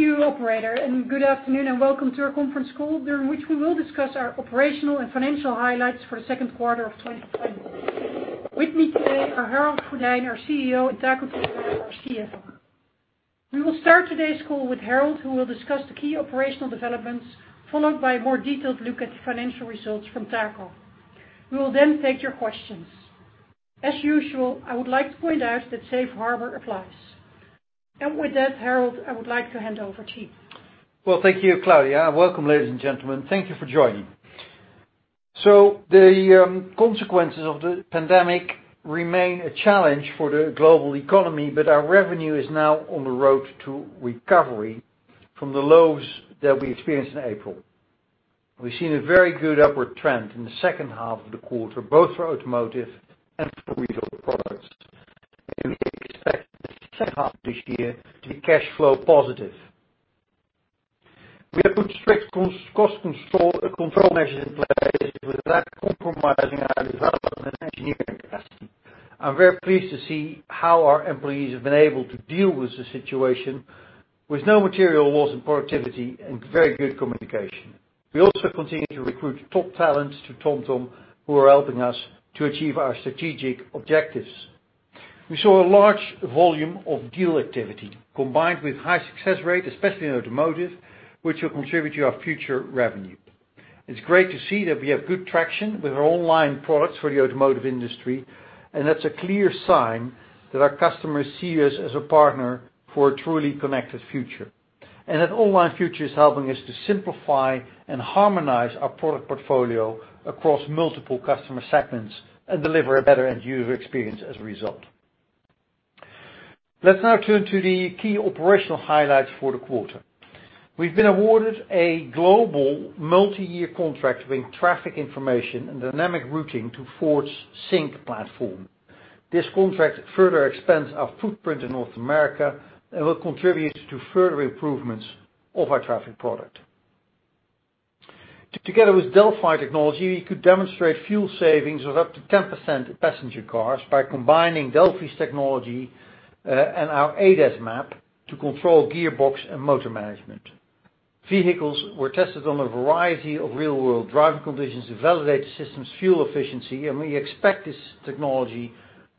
Thank you operator. Good afternoon and welcome to our conference call, during which we will discuss our operational and financial highlights for the second quarter of 2020. With me today are Harold Goddijn, our CEO, and Taco Titulaer, our CFO. We will start today's call with Harold, who will discuss the key operational developments, followed by a more detailed look at the financial results from Taco. We will take your questions. As usual, I would like to point out that Safe Harbor applies. With that, Harold, I would like to hand over to you. Well, thank you, Claudia. Welcome ladies and gentlemen. Thank you for joining. The consequences of the pandemic remain a challenge for the global economy, but our revenue is now on the road to recovery from the lows that we experienced in April. We've seen a very good upward trend in the second half of the quarter, both for automotive and for retail products, and we expect the second half of this year to be cash flow positive. We have put strict cost control measures in place without compromising our development engineering capacity. I'm very pleased to see how our employees have been able to deal with the situation with no material loss in productivity and very good communication. We also continue to recruit top talent to TomTom who are helping us to achieve our strategic objectives. We saw a large volume of deal activity combined with high success rate, especially in automotive, which will contribute to our future revenue. It's great to see that we have good traction with our online products for the automotive industry. That's a clear sign that our customers see us as a partner for a truly connected future. That online future is helping us to simplify and harmonize our product portfolio across multiple customer segments and deliver a better end user experience as a result. Let's now turn to the key operational highlights for the quarter. We've been awarded a global multi-year contract with traffic information and dynamic routing to Ford's SYNC platform. This contract further expands our footprint in North America and will contribute to further improvements of our traffic product. Together with Delphi Technologies, we could demonstrate fuel savings of up to 10% in passenger cars by combining Delphi's technology and our ADAS map to control gearbox and motor management. Vehicles were tested on a variety of real-world driving conditions to validate the system's fuel efficiency. We expect this technology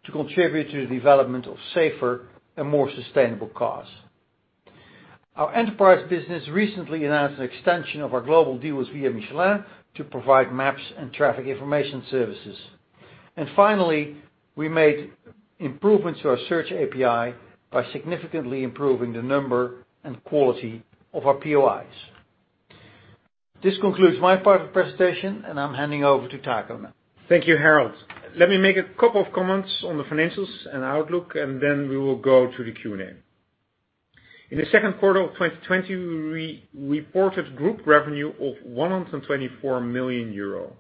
to contribute to the development of safer and more sustainable cars. Our enterprise business recently announced an extension of our global deal with ViaMichelin to provide maps and traffic information services. Finally, we made improvements to our search API by significantly improving the number and quality of our POIs. This concludes my part of the presentation and I'm handing over to Taco now. Thank you, Harold. Let me make a couple of comments on the financials and outlook, then we will go to the Q&A. In the second quarter of 2020, we reported group revenue of 124 million euro,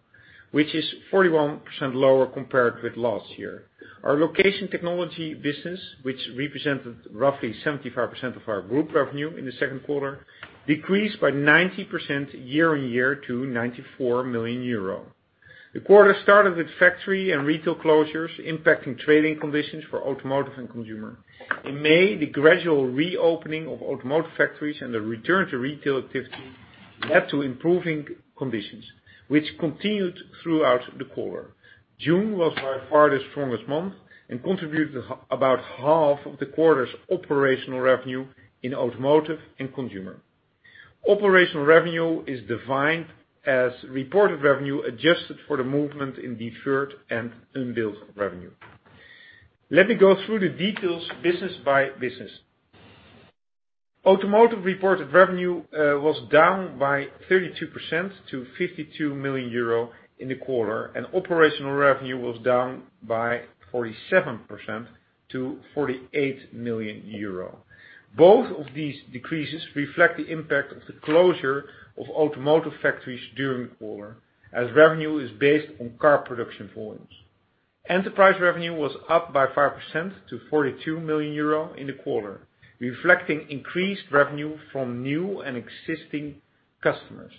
which is 41% lower compared with last year. Our location technology business, which represented roughly 75% of our group revenue in the second quarter, decreased by 90% year-on-year to 94 million euro. The quarter started with factory and retail closures impacting trading conditions for automotive and consumer. In May, the gradual reopening of automotive factories and the return to retail activity led to improving conditions, which continued throughout the quarter. June was by far the strongest month and contributed about half of the quarter's operational revenue in automotive and consumer. Operational revenue is defined as reported revenue adjusted for the movement in deferred and unbilled revenue. Let me go through the details business by business. Automotive reported revenue was down by 32% to 52 million euro in the quarter, and operational revenue was down by 47% to 48 million euro. Both of these decreases reflect the impact of the closure of automotive factories during the quarter as revenue is based on car production volumes. Enterprise revenue was up by 5% to 42 million euro in the quarter, reflecting increased revenue from new and existing customers.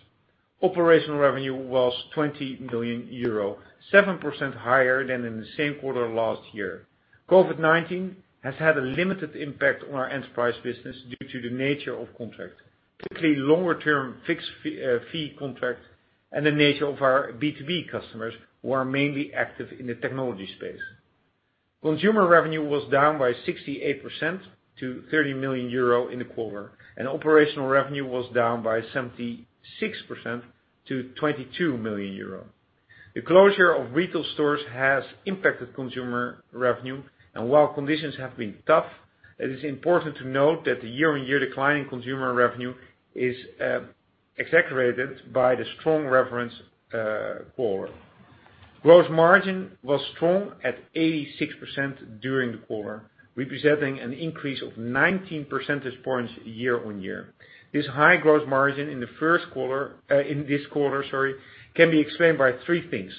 Operational revenue was 20 million euro, 7% higher than in the same quarter last year. COVID-19 has had a limited impact on our enterprise business due to the nature of contract. Typically longer term fixed fee contract and the nature of our B2B customers who are mainly active in the technology space. Consumer revenue was down by 68% to 30 million euro in the quarter, and operational revenue was down by 76% to 22 million euro. The closure of retail stores has impacted consumer revenue, and while conditions have been tough, it is important to note that the year-on-year decline in consumer revenue is exaggerated by the strong reference quarter. Gross margin was strong at 86% during the quarter, representing an increase of 19 percentage points year-on-year. This high gross margin in this quarter can be explained by three things.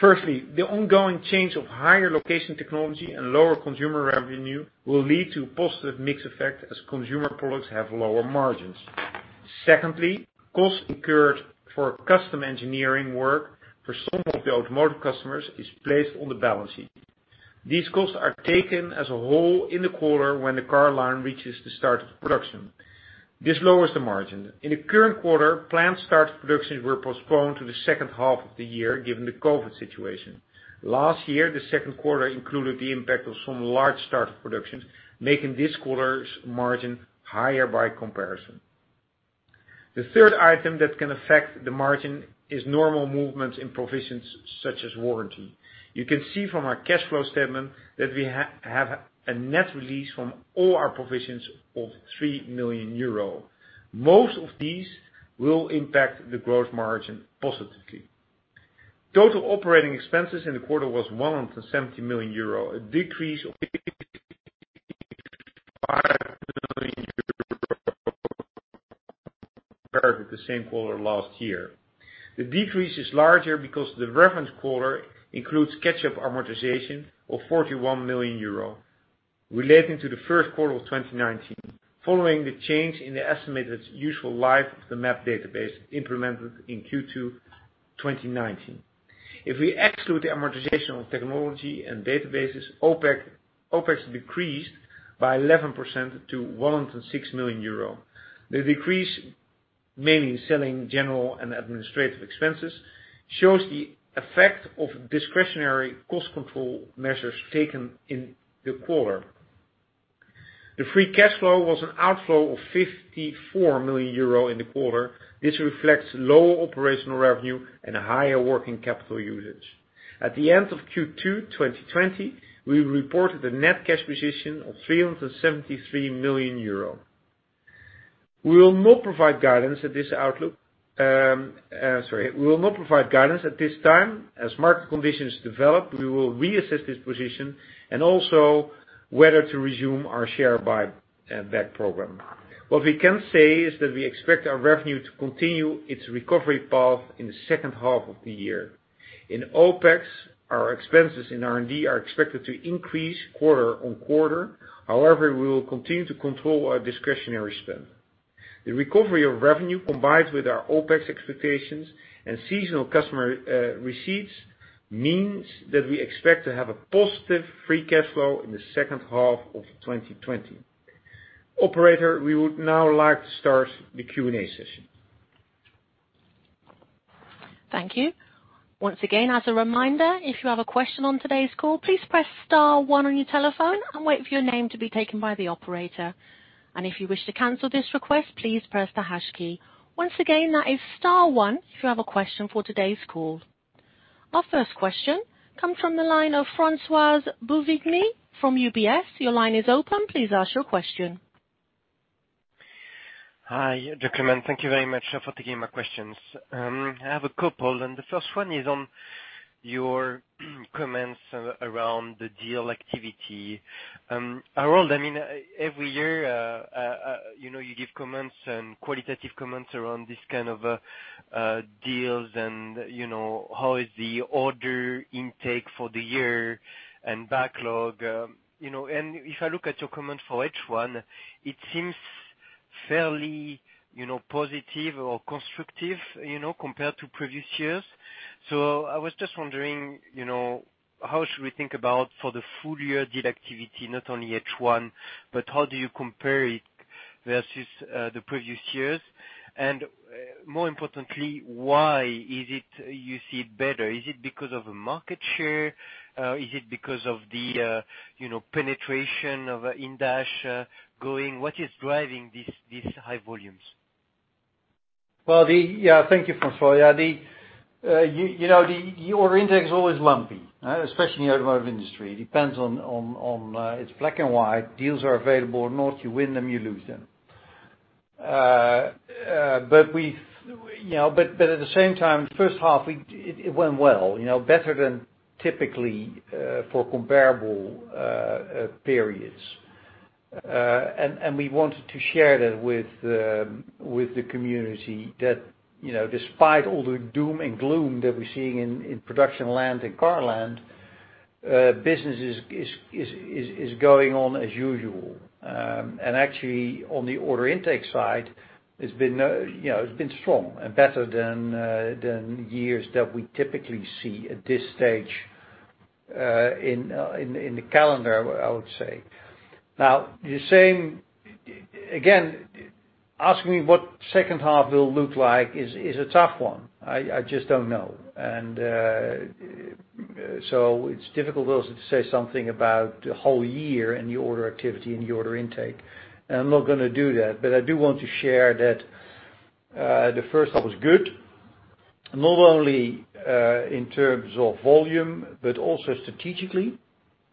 Firstly, the ongoing change of higher location technology and lower consumer revenue will lead to positive mix effect as consumer products have lower margins. Secondly, cost incurred for custom engineering work for some of the automotive customers is placed on the balance sheet. These costs are taken as a whole in the quarter when the car line reaches the start of production. This lowers the margin. In the current quarter, planned start of productions were postponed to the second half of the year, given the COVID situation. Last year, the second quarter included the impact of some large start of productions, making this quarter's margin higher by comparison. The third item that can affect the margin is normal movements in provisions such as warranty. You can see from our cash flow statement that we have a net release from all our provisions of 3 million euro. Most of these will impact the growth margin positively. Total operating expenses in the quarter was 170 million euro, a decrease of 5 million euro compared with the same quarter last year. The decrease is larger because the referenced quarter includes catch-up amortization of 41 million euro relating to the first quarter of 2019, following the change in the estimated useful life of the map database implemented in Q2 2019. If we exclude the amortization of technology and databases, OpEx decreased by 11% to 106 million euro. The decrease, mainly in selling, general and administrative expenses, shows the effect of discretionary cost control measures taken in the quarter. The free cash flow was an outflow of 54 million euro in the quarter. This reflects lower operational revenue and a higher working capital usage. At the end of Q2 2020, we reported a net cash position of 373 million euro. We will not provide guidance at this time. As market conditions develop, we will reassess this position and also whether to resume our share buyback program. What we can say is that we expect our revenue to continue its recovery path in the second half of the year. In OpEx, our expenses in R&D are expected to increase quarter on quarter. We will continue to control our discretionary spend. The recovery of revenue, combined with our OpEx expectations and seasonal customer receipts, means that we expect to have a positive free cash flow in the second half of 2020. Operator, we would now like to start the Q&A session. Thank you. Once again, as a reminder, if you have a question on today's call, please press *1 on your telephone and wait for your name to be taken by the operator. If you wish to cancel this request, please press the # key. Once again, that is *1 if you have a question for today's call. Our first question comes from the line of François Bouvignies from UBS. Your line is open. Please ask your question. Hi, gentlemen. Thank you very much for taking my questions. I have a couple. The first one is on your comments around the deal activity. Harold, every year, you give comments and qualitative comments around this kind of deals and how is the order intake for the year and backlog. If I look at your comment for H1, it seems fairly positive or constructive compared to previous years. I was just wondering, how should we think about, for the full year deal activity, not only H1, but how do you compare it versus the previous years? More importantly, why is it you see it better? Is it because of a market share? Is it because of the penetration of in-dash going? What is driving these high volumes? Well, thank you, François. The year oder intake's always lumpy, especially in the automotive industry. It's black and white. Deals are available or not, you win them, you lose them. At the same time, the first half, it went well. Better than typically for comparable periods. We wanted to share that with the community that, despite all the doom and gloom that we're seeing in production land, in car land, business is going on as usual. Actually, on the order intake side, it's been strong and better than years that we typically see at this stage in the calendar, I would say. Now, again, asking me what second half will look like is a tough one. I just don't know. It's difficult also to say something about the whole year and the order activity and the order intake. I'm not going to do that. I do want to share that the first half was good, not only in terms of volume, but also strategically.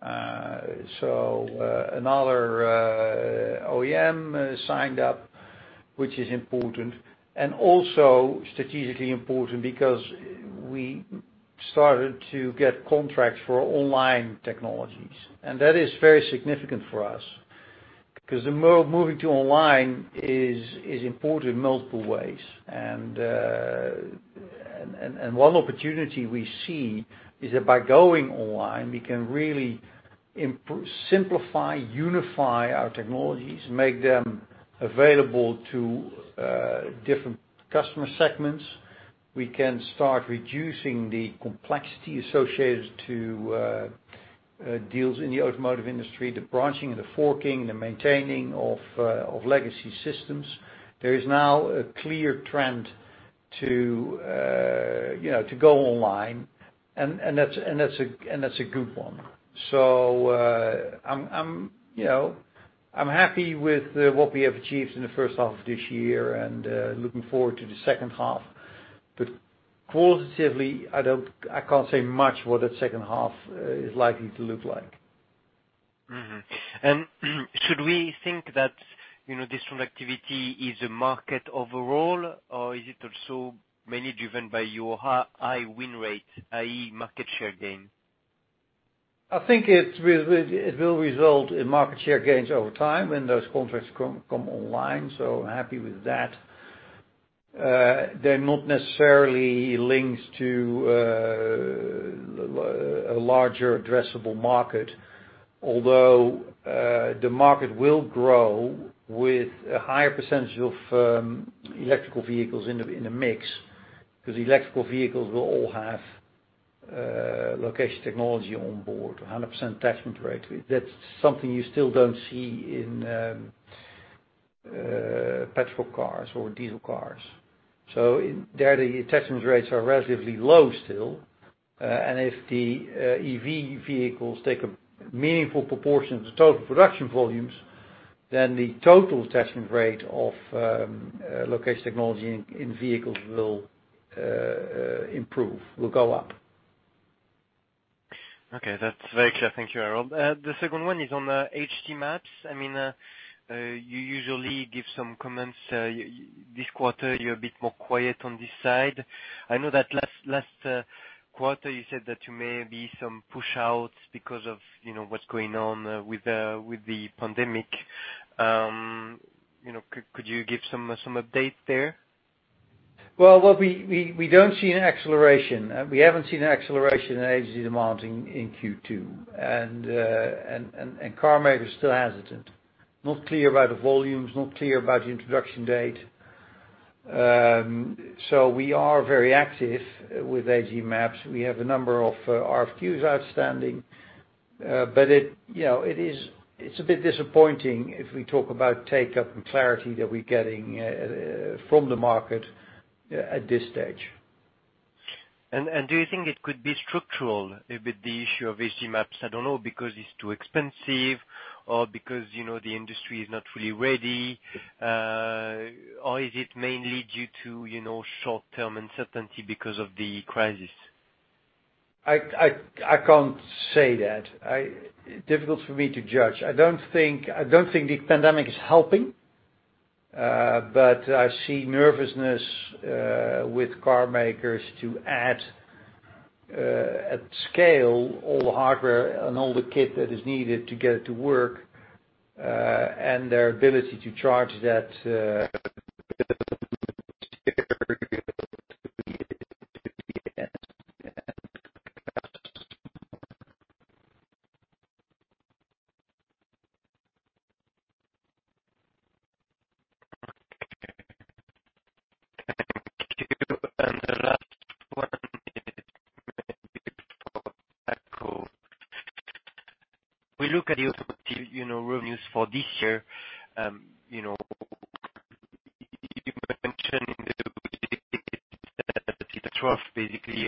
Another OEM signed up, which is important. Also strategically important because we started to get contracts for online technologies. That is very significant for us, because the moving to online is important in multiple ways. One opportunity we see is that by going online, we can really simplify, unify our technologies, make them available to different customer segments. We can start reducing the complexity associated to Deals in the automotive industry, the branching and the forking, the maintaining of legacy systems. There is now a clear trend to go online, and that's a good one. I'm happy with what we have achieved in the first half of this year and looking forward to the second half. Qualitatively, I can't say much what that second half is likely to look like. Mm-hmm. Should we think that this productivity is a market overall, or is it also mainly driven by your high win rate, i.e., market share gain? I think it will result in market share gains over time when those contracts come online. I'm happy with that. They're not necessarily linked to a larger addressable market, although, the market will grow with a higher percentage of electrical vehicles in the mix, because electrical vehicles will all have location technology on board, 100% attachment rate. That's something you still don't see in petrol cars or diesel cars. There, the attachment rates are relatively low still. If the EV vehicles take a meaningful proportion of the total production volumes, the total attachment rate of location technology in vehicles will improve, will go up. Okay. That's very clear. Thank you, Harold. The second one is on the HD maps. You usually give some comments. This quarter, you're a bit more quiet on this side. I know that last quarter, you said that there may be some push-outs because of what's going on with the pandemic. Could you give some update there? Well, we don't see an acceleration. We haven't seen an acceleration in HD demand in Q2. Car makers are still hesitant. Not clear about the volumes, not clear about the introduction date. We are very active with HD maps. We have a number of RFQs outstanding. It's a bit disappointing if we talk about take-up and clarity that we're getting from the market at this stage. Do you think it could be structural with the issue of HD maps? I don't know, because it's too expensive or because the industry is not fully ready. Is it mainly due to short-term uncertainty because of the crisis? I can't say that. Difficult for me to judge. I don't think the pandemic is helping. I see nervousness with car makers to add at scale all the hardware and all the kit that is needed to get it to work, and their ability to charge that. Okay. Thank you. The last one is maybe for Taco. We look at your revenues for this year. You mentioned in the basically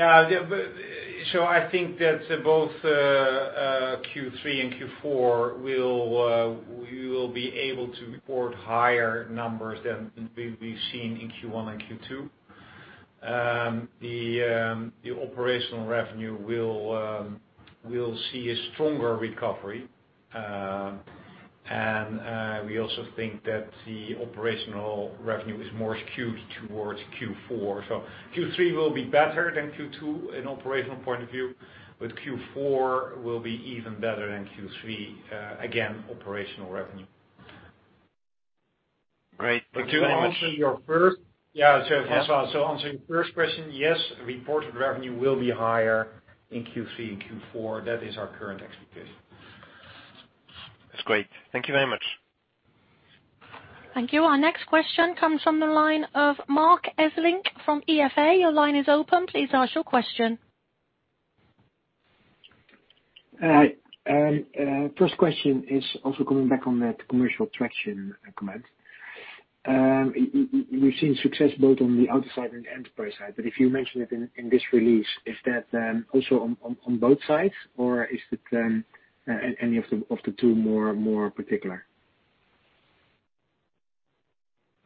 Q3 and Q4, as it recovers slightly, I mean reported revenues. I think that both Q3 and Q4, we will be able to report higher numbers than we've seen in Q1 and Q2. The operational revenue will see a stronger recovery. We also think that the operational revenue is more skewed towards Q4. Q3 will be better than Q2 in operational point of view, but Q4 will be even better than Q3, again, operational revenue. Great. Thank you very much. Yeah. To answer your first question, yes, reported revenue will be higher in Q3 and Q4. That is our current expectation. That's great. Thank you very much. Thank you. Our next question comes from the line of Marc Hesselink from ING. Your line is open. Please ask your question. Hi. First question is also coming back on that commercial traction comment. We've seen success both on the auto side and the enterprise side, but if you mention it in this release, is that also on both sides, or is any of the two more particular?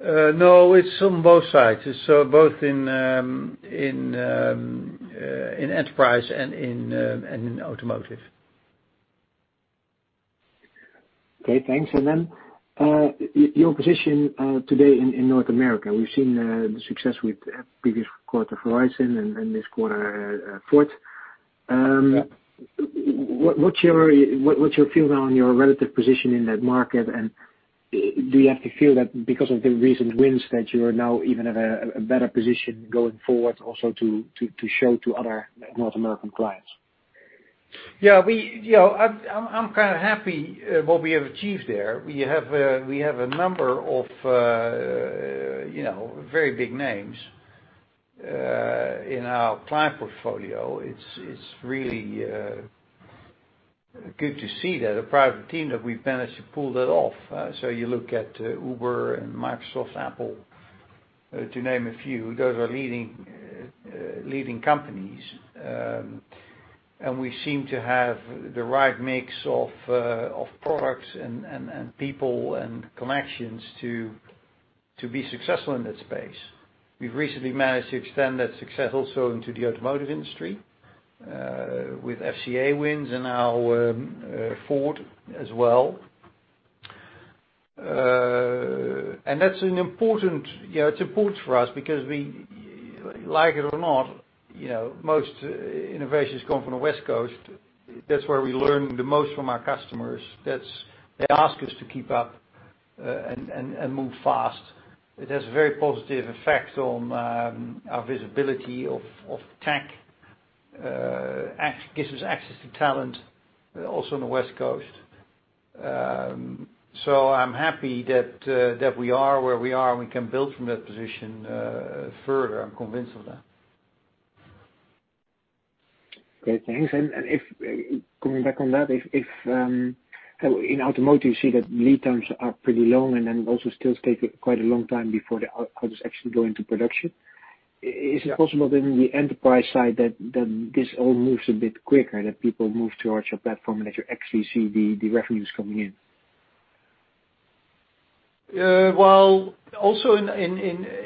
No, it's on both sides. Both in enterprise and in automotive. Okay, thanks. Your position today in North America, we've seen the success with previous quarter Verizon and this quarter, Ford. What's your view now on your relative position in that market, and do you have to feel that because of the recent wins, that you are now even at a better position going forward also to show to other North American clients? I'm kind of happy what we have achieved there. We have a number of very big names in our client portfolio. It's really good to see that, a private team that we've managed to pull that off. You look at Uber and Microsoft, Apple, to name a few. Those are leading companies. We seem to have the right mix of products and people and connections to be successful in that space. We've recently managed to extend that success also into the automotive industry, with FCA wins and now Ford as well. That's important for us because we like it or not, most innovations come from the West Coast. That's where we learn the most from our customers. They ask us to keep up and move fast. It has a very positive effect on our visibility of tech, gives us access to talent also on the West Coast. I'm happy that we are where we are, and we can build from that position further, I'm convinced of that. Great, thanks. Coming back on that, in automotive, you see that lead times are pretty long, and then also still take quite a long time before the autos actually go into production. Yeah. Is it possible that in the enterprise side that this all moves a bit quicker, that people move towards your platform and that you actually see the revenues coming in? Also in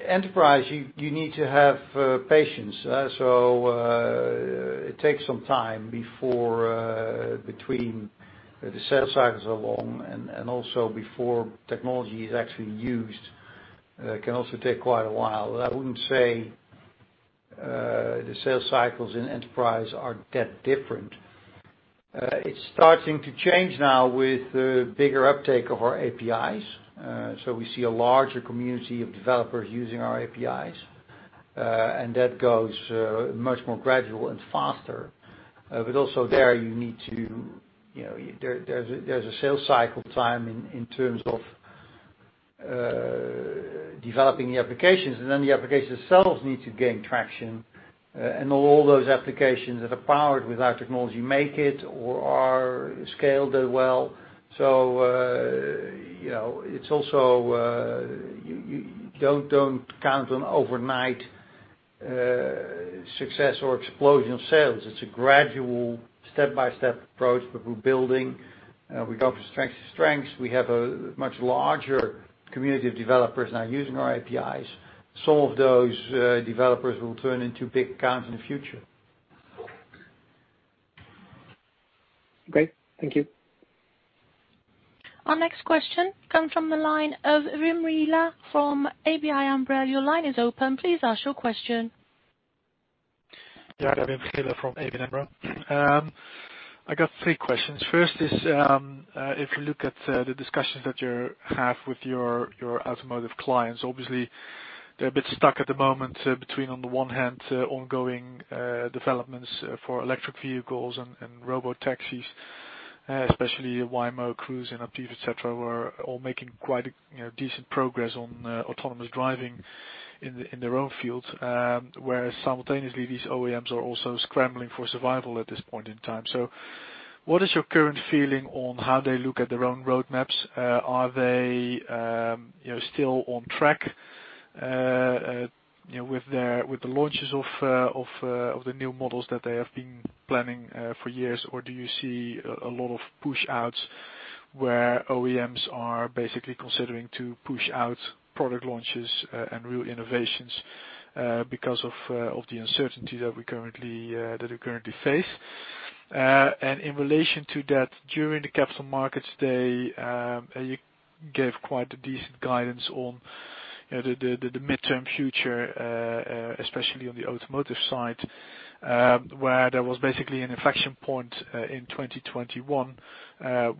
enterprise, you need to have patience. It takes some time. The sales cycles are long and also before technology is actually used, it can also take quite a while. I wouldn't say the sales cycles in enterprise are that different. It's starting to change now with the bigger uptake of our APIs. We see a larger community of developers using our APIs, and that goes much more gradual and faster. Also there's a sales cycle time in terms of developing the applications, and then the applications themselves need to gain traction. All those applications that are powered with our technology make it or are scaled well. You don't count on overnight success or explosion of sales. It's a gradual step-by-step approach, we're building, we go from strength to strengths. We have a much larger community of developers now using our APIs. Some of those developers will turn into big accounts in the future. Great. Thank you. Our next question comes from the line of Wim Gille from ABN AMRO. Your line is open. Please ask your question. Yeah, Wim Gille from ABN AMRO. I got three questions. First is, if you look at the discussions that you have with your automotive clients, obviously they're a bit stuck at the moment between, on the one hand, ongoing developments for electric vehicles and robo taxis, especially Waymo, Cruise and Aptiv, et cetera, who are all making quite decent progress on autonomous driving in their own fields. Simultaneously, these OEMs are also scrambling for survival at this point in time. What is your current feeling on how they look at their own roadmaps? Are they still on track with the launches of the new models that they have been planning for years? Do you see a lot of push-outs where OEMs are basically considering to push out product launches and real innovations because of the uncertainty that we currently face? In relation to that, during the Capital Markets Day, you gave quite a decent guidance on the midterm future, especially on the automotive side, where there was basically an inflection point in 2021,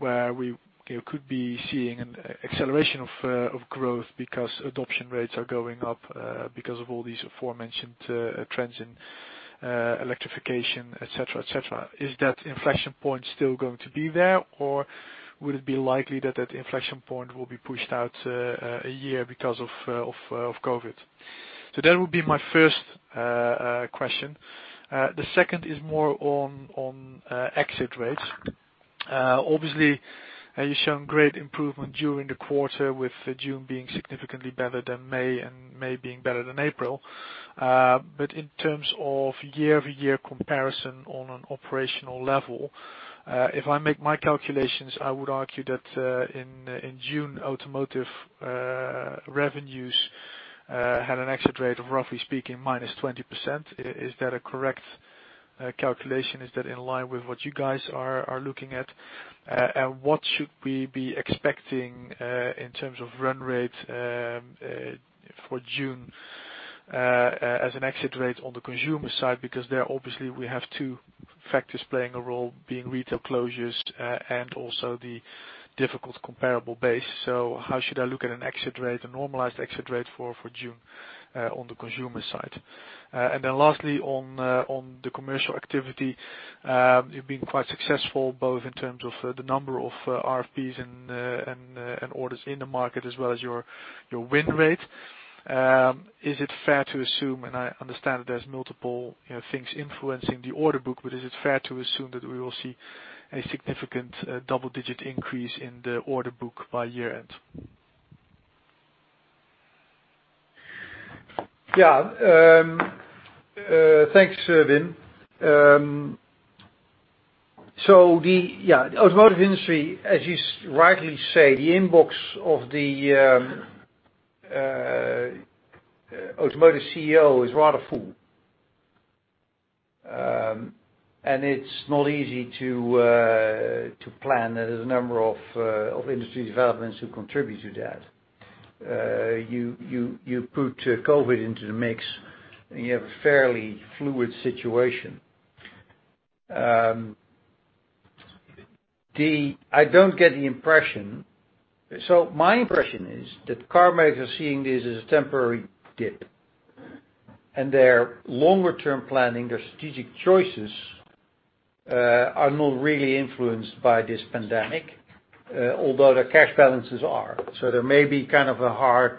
where we could be seeing an acceleration of growth because adoption rates are going up because of all these aforementioned trends in electrification, et cetera. Is that inflection point still going to be there, or would it be likely that that inflection point will be pushed out a year because of COVID? That would be my first question. The second is more on exit rates. Obviously, you've shown great improvement during the quarter with June being significantly better than May and May being better than April. In terms of year-over-year comparison on an operational level, if I make my calculations, I would argue that in June, automotive revenues had an exit rate of, roughly speaking, -20%. Is that a correct calculation? Is that in line with what you guys are looking at? What should we be expecting in terms of run rate for June as an exit rate on the consumer side? There, obviously, we have two factors playing a role, being retail closures and also the difficult comparable base. How should I look at an exit rate, a normalized exit rate for June on the consumer side? Lastly, on the commercial activity, you've been quite successful both in terms of the number of RFPs and orders in the market, as well as your win rate. Is it fair to assume, and I understand that there's multiple things influencing the order book, but is it fair to assume that we will see a significant double-digit increase in the order book by year-end? Yeah. Thanks, Wim. The automotive industry, as you rightly say, the inbox of the automotive CEO is rather full. It's not easy to plan. There's a number of industry developments who contribute to that. You put COVID into the mix, and you have a fairly fluid situation. My impression is that car makers are seeing this as a temporary dip, and their longer term planning, their strategic choices, are not really influenced by this pandemic. Their cash balances are. There may be hard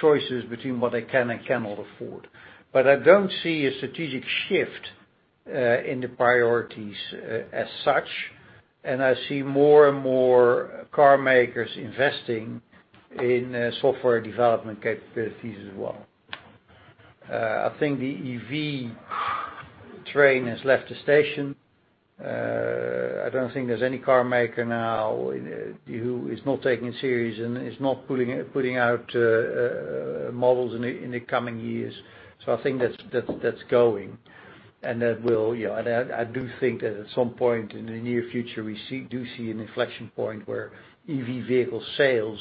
choices between what they can and cannot afford. I don't see a strategic shift in the priorities as such, and I see more and more car makers investing in software development capabilities as well. I think the EV train has left the station. I don't think there's any car maker now who is not taking it serious and is not putting out models in the coming years. I think that's going, and I do think that at some point in the near future, we do see an inflection point where EV vehicle sales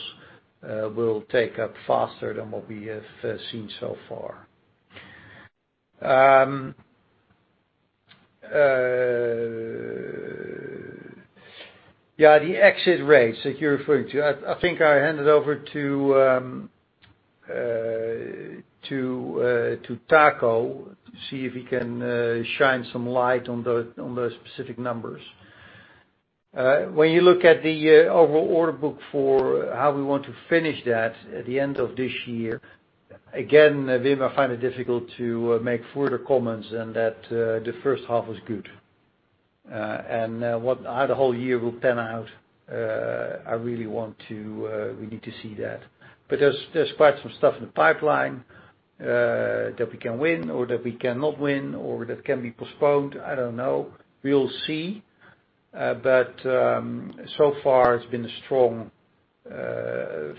will take up faster than what we have seen so far. The exit rates that you're referring to, I think I hand it over to Taco to see if he can shine some light on those specific numbers. When you look at the overall order book for how we want to finish that at the end of this year, again, Wim, I find it difficult to make further comments than that the first half was good. How the whole year will pan out, we need to see that. There's quite some stuff in the pipeline that we can win or that we cannot win or that can be postponed. I don't know. We'll see. Far, it's been a strong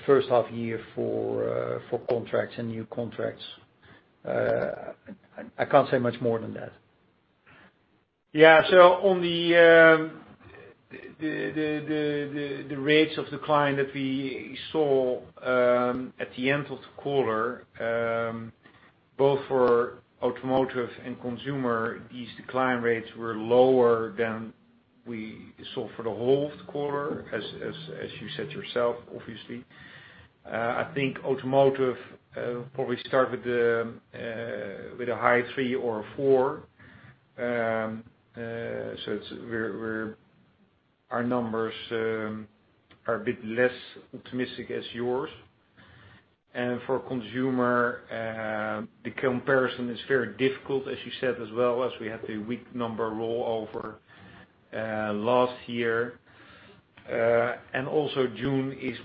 first half year for contracts and new contracts. I can't say much more than that. Yeah. On the rates of decline that we saw at the end of the quarter, both for automotive and consumer, these decline rates were lower than we saw for the whole of the quarter, as you said yourself, obviously. I think automotive probably started with a high three or a four. Our numbers are a bit less optimistic as yours. For consumer, the comparison is very difficult, as you said as well, as we have the Week Number Rollover last year. Also June is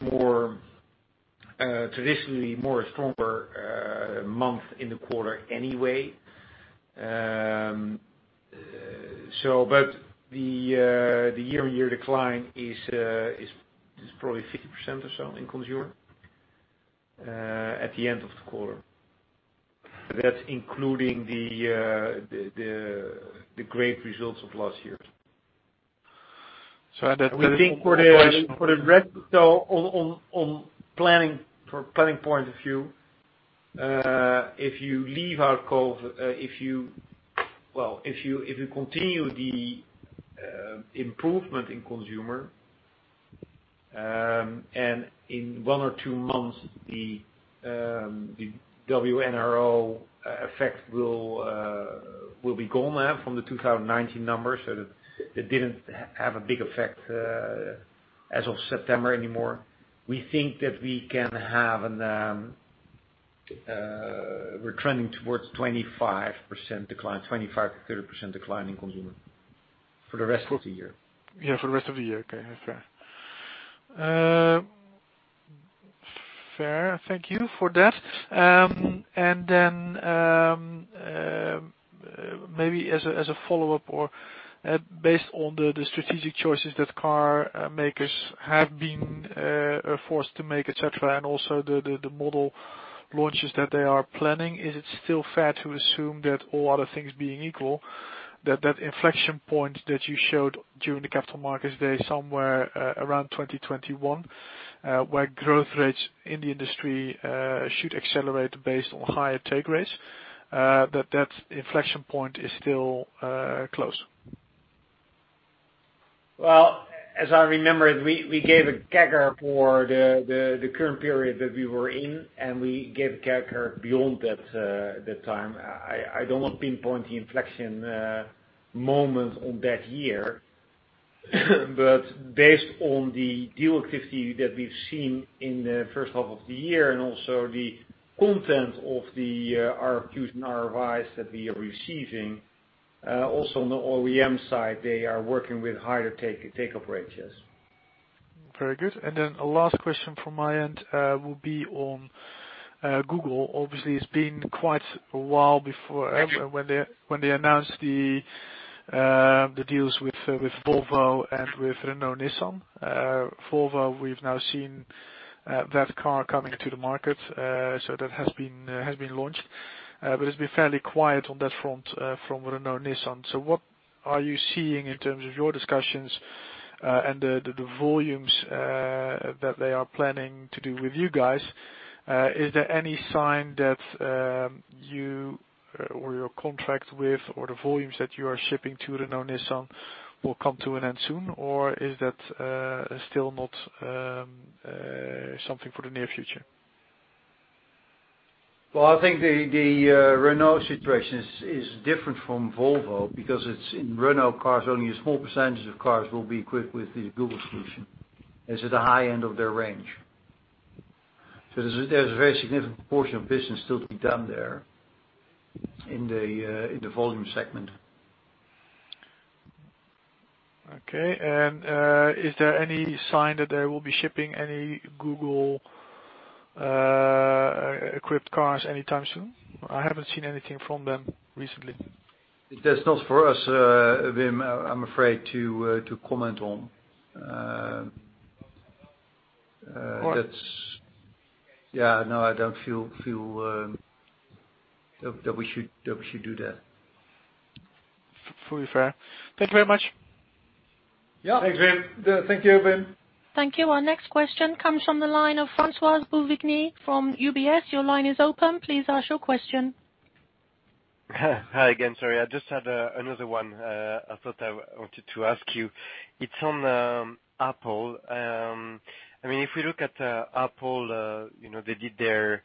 traditionally more a stronger month in the quarter anyway. The year-on-year decline is probably 50% or so in consumer at the end of the quarter. That's including the great results of last year. I think. From a planning point of view, if you continue the improvement in consumer, and in one or two months, the WNRO effect will be gone from the 2019 numbers, so that it didn't have a big effect as of September anymore. We think that we're trending towards 25% decline, 25%-30% decline in consumer for the rest of the year. Yeah, for the rest of the year. Okay. Fair. Thank you for that. Maybe as a follow-up, or based on the strategic choices that car makers have been forced to make, et cetera, and also the model launches that they are planning, is it still fair to assume that all other things being equal, that that inflection point that you showed during the Capital Markets Day somewhere around 2021, where growth rates in the industry should accelerate based on higher take rates, that that inflection point is still close? Well, as I remember it, we gave a CAGR for the current period that we were in, and we gave a CAGR beyond that time. I don't want to pinpoint the inflection moment on that year, but based on the deal activity that we've seen in the first half of the year and also the content of the RFQs and RFIs that we are receiving, also on the OEM side, they are working with higher take-up rates, yes. Very good. A last question from my end will be on Google. Obviously, it's been quite a while before when they announced the deals with Volvo and with Renault–Nissan. Volvo, we've now seen that car coming to the market, that has been launched. It's been fairly quiet on that front from Renault–Nissan. What are you seeing in terms of your discussions and the volumes that they are planning to do with you guys? Is there any sign that you or your contract with, or the volumes that you are shipping to Renault–Nissan will come to an end soon? Is that still not something for the near future? Well, I think the Renault situation is different from Volvo because it's in Renault cars, only a small percentage of cars will be equipped with the Google solution. It's at the high end of their range. So there's a very significant portion of business still to be done there in the volume segment. Okay. Is there any sign that they will be shipping any Google-equipped cars anytime soon? I haven't seen anything from them recently. That's not for us, Wim, I'm afraid to comment on. All right. Yeah, no, I don't feel that we should do that. Fully fair. Thank you very much. Yeah. Thanks, Wim. Thank you, Wim. Thank you. Our next question comes from the line of Francois Bouvignies from UBS. Your line is open. Please ask your question. Hi again. Sorry, I just had another one I thought I wanted to ask you. It's on Apple. If we look at Apple, they did their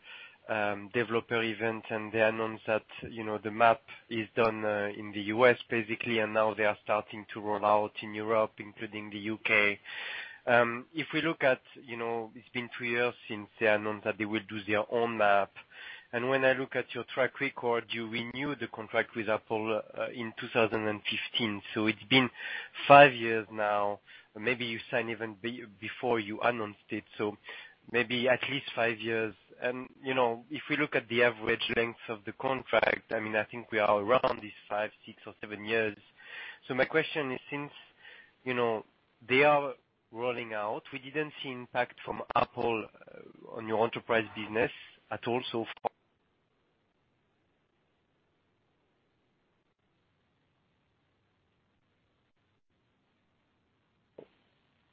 developer event, they announced that the map is done in the U.S., basically, now they are starting to roll out in Europe, including the U.K. If we look at it's been three years since they announced that they will do their own map, when I look at your track record, you renewed the contract with Apple in 2015. It's been five years now. Maybe you signed even before you announced it, maybe at least five years. If we look at the average length of the contract, I think we are around this five, six, or seven years. My question is, since they are rolling out, we didn't see impact from Apple on your enterprise business at all so far,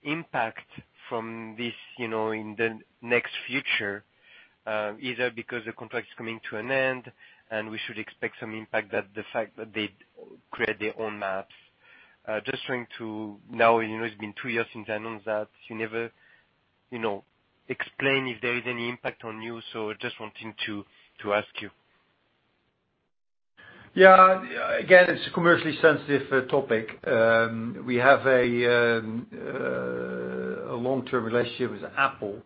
impact from this in the next future, either because the contract is coming to an end and we should expect some impact that the fact that they create their own maps? Just trying to now, it's been two years since I announced that, you never explain if there is any impact on you, so just wanting to ask you. Yeah. Again, it's a commercially sensitive topic. We have a long-term relationship with Apple.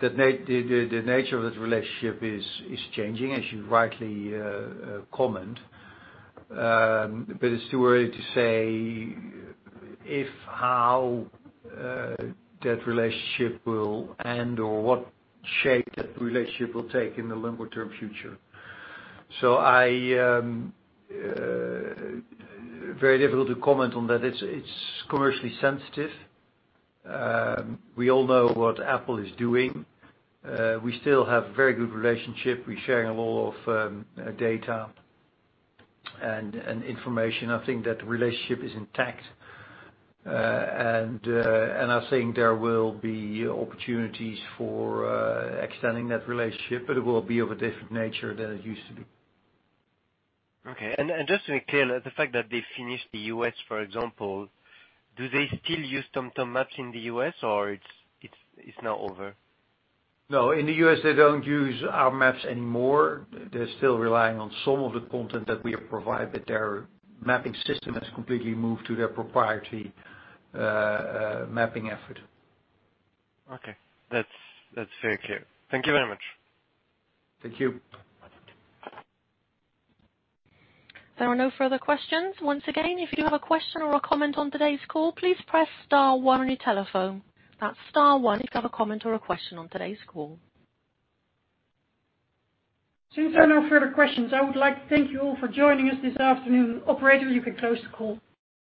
The nature of that relationship is changing, as you rightly comment. It's too early to say if, how that relationship will end or what shape that relationship will take in the longer-term future. Very difficult to comment on that. It's commercially sensitive. We all know what Apple is doing. We still have a very good relationship. We're sharing a lot of data and information. I think that the relationship is intact. I think there will be opportunities for extending that relationship, but it will be of a different nature than it used to be. Okay. Just to be clear, the fact that they finished the U.S., for example, do they still use TomTom maps in the U.S. or it's now over? No, in the U.S., they don't use our maps anymore. They're still relying on some of the content that we have provided, but their mapping system has completely moved to their proprietary mapping effort. Okay. That's very clear. Thank you very much. Thank you. There are no further questions. Once again, if you have a question or a comment on today's call, please press star one on your telephone. That's star one if you have a comment or a question on today's call. Since there are no further questions, I would like to thank you all for joining us this afternoon. Operator, you can close the call.